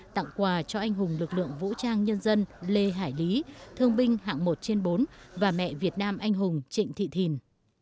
tặng quà cho anh hùng lực lượng vũ trang nhân dân lê hải lý thương binh hạng một trên bốn và mẹ việt nam anh hùng trịnh thị thìn